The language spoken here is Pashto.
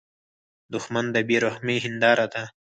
دښمن د بې رحمۍ هینداره ده